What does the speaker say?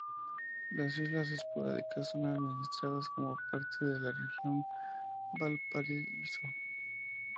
Las islas Esporádicas son administradas como parte de la Región de Valparaíso.